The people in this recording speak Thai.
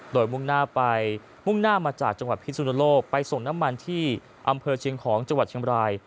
โดยมุ่งหน้าไปมุ่งหน้ามาจากจังหวัดพิสุนโลกไปส่งน้ำมันที่อำเภอเชียงของจังหวัดเชียงบราย